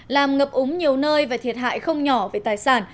làm ngập úng nhiều nơi và thiệt hại không nhỏ về tài sản